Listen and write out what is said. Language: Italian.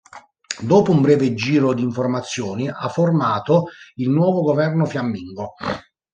Dopo un breve giro di informazioni, ha formato il nuovo governo fiammingo.